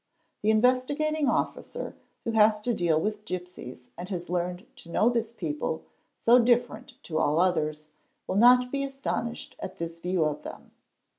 The Investigating Officer who has to deal with gipsies and has learned to know this people, so different to all others, will not be astonished at | this view of them.